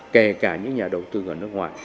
kể cả những nhà đầu tư ở nước ngoài